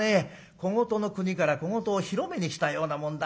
小言の国から小言を広めに来たようなもんだ。